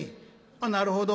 「あっなるほど」。